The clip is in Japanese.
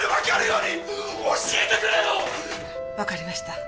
わかりました。